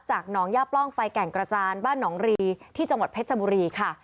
หนองย่าปล้องไปแก่งกระจานบ้านหนองรีที่จังหวัดเพชรบุรีค่ะ